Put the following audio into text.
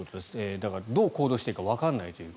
だから、どう行動していいかわからないと。